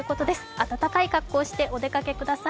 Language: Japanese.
暖かい格好をしてお出かけください。